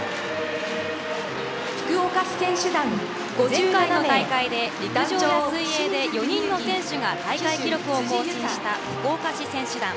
前回の大会で陸上や水泳で４人の選手が大会記録を更新した福岡市選手団。